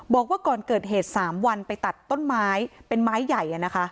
บอกว่าก่อนเกิดเหตุ๓วันไปตัดต้นไม้เป็นไม้ใหญ่